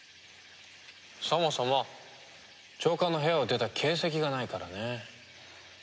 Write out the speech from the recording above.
そもそも長官の部屋を出た形跡がないからね。